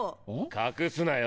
隠すなよ。